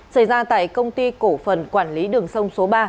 xảy ra tại công ty cổ phần quản lý đường sông số ba